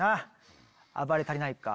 暴れ足りないか？